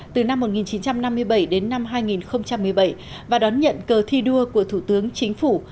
từ năm một nghìn chín trăm năm mươi bảy đến năm hai nghìn một mươi bảy và đón nhận cờ thi đua của thủ tướng chính phủ